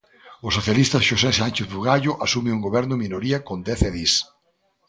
O socialista Xosé Sánchez Bugallo asume un goberno en minoría con dez edís.